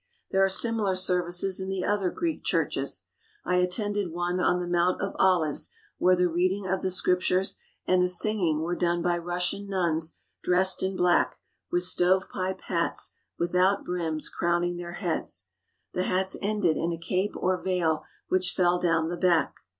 There are simi lar services in the other Greek churches. I attended one on the Mount of Olives where the reading of the Scrip tures and the singing were done by Russian nuns dressed in black with stove pipe hats without brims crowning their heads. The hats ended in a cape or veil which fell down the back.